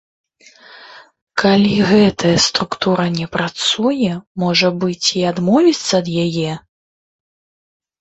Калі гэтая структура не працуе, можа быць, і адмовіцца ад яе?